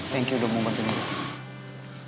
thank you udah membantuin gue